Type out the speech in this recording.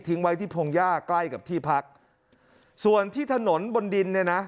ไว้ที่พงหญ้าใกล้กับที่พักส่วนที่ถนนบนดินเนี่ยนะ